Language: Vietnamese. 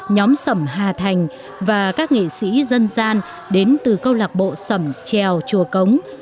nhóm sẩm hà thành và các nghệ sĩ dân gian đến từ câu lạc bộ sầm trèo chùa cống